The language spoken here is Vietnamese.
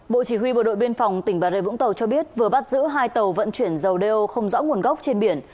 bộ chỉ huy bộ đội biên phòng tỉnh bà rê vũng tàu cho biết vừa bắt giữ hai tàu vận chuyển dầu đeo không rõ nguồn gốc trên biển